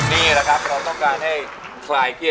นี่แหละครับเราต้องการให้คลายเครียด